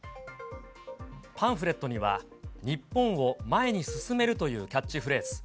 パンフレットには日本を前に進めるというキャッチフレーズ。